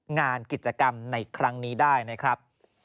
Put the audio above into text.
งานกิจกรรมในครั้งนี้ได้นะครับ